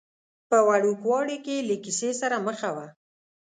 په وړوکوالي کې یې له کیسې سره مخه وه.